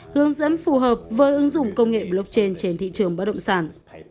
hướng dẫn phù hợp với ứng dụng công nghệ blockchain trên thị trường bất động sản